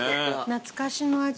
懐かしの味